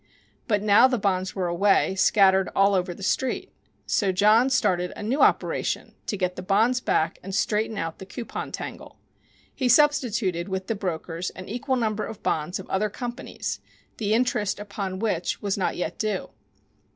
But now the bonds were away, scattered all over the Street. So John started a new operation to get the bonds back and straighten out the coupon tangle. He substituted with the brokers an equal number of bonds of other companies, the interest upon which was not yet due.